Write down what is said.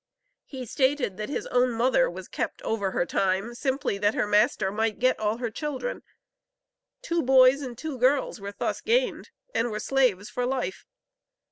He stated that his own mother was "kept over her time," simply "that her master might get all her children." Two boys and two girls were thus gained, and were slaves for life.